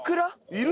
いる？